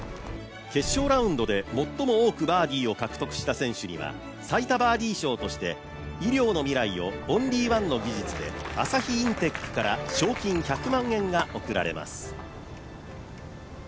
決勝ラウンドで最も多くバーディーを獲得した選手には最多バーディ賞として医療の未来をオンリーワンの技術で朝日インテックから賞金１００万円が贈られます。